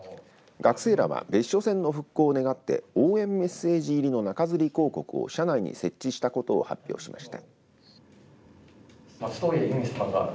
学生らは別所線の復興を願って応援メッセージ入りの中づり広告を車内に設置したことを発表しました。